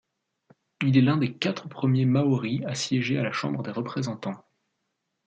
Il est l'un des quatre premiers Maori à siéger à la Chambre des représentants.